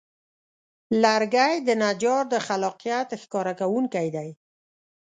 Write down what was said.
لرګی د نجار د خلاقیت ښکاره کوونکی دی.